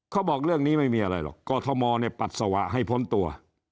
เขาบอกเรื่องนี้ไม่มีอะไรหรอกกอทมเนี่ยปัสสาวะให้พ้นตัว